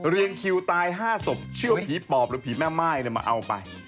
คิวตาย๕ศพเชื่อว่าผีปอบหรือผีแม่ม่ายมาเอาไป